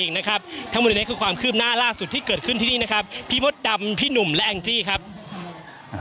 ประโยชน์ของเราทางมุดนี้คือความคืบหน้าล่าสุดที่เกิดขึ้นที่นี้นะครับพี่ม็อตดำพี่หนุ่มและเอ็งจี้ครับ